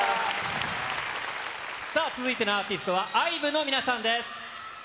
さあ、続いてのアーティストはＩＶＥの皆さんです。